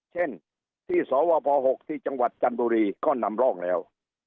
เช่นที่สวพ๖ที่จังหวัดจันทบุรีก็นำร่องแล้ว